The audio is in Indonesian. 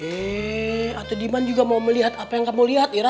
eh atuh diman juga mau melihat apa yang kamu lihat ira